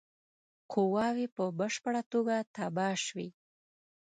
قواوي په بشپړه توګه تباه شوې.